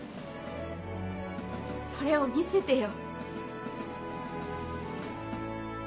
それを見せてよ。